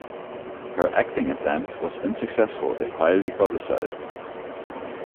Her acting attempt was unsuccessful if highly publicized.